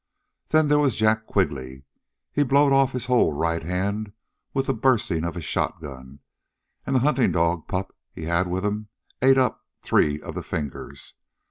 Then there was Jack Quigley. He blowed off his whole right hand with the burstin' of his shotgun, an' the huntin' dog pup he had with 'm ate up three of the fingers.